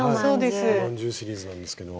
おまんじゅうシリーズなんですけども。